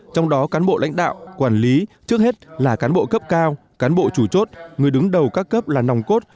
trong đó cán bộ lãnh đạo quản lý trước hết là cán bộ cấp cao cán bộ chủ chốt người đứng đầu các cấp là nòng cốt